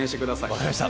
分かりました。